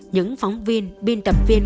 những phóng viên biên tập viên